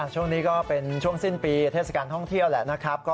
ช่วงนี้ก็เป็นช่วงสิ้นปีเทศกาลท่องเที่ยวแหละนะครับ